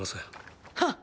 はっ！